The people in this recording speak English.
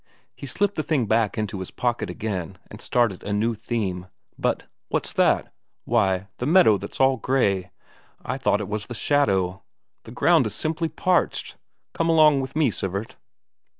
He slipped the thing back into his pocket again and started a new theme. "But what's that? Why, the meadow that's all grey. I thought it was the shadow. The ground is simply parched. Come along with me, Sivert."